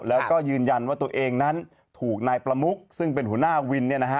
แล้วก็ยืนยันว่าตัวเองนั้นถูกนายประมุกซึ่งเป็นหุน่าวินเนี่ยนะฮะ